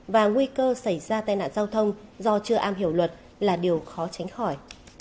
và nguy cơ xảy ra tai nạn giao thông do chưa am hiểu luật là điều khó tránh khỏi